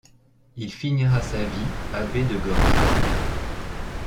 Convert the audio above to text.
Il finira sa vie abbé de Gorze.